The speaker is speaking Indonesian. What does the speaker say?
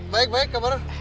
baik baik kabar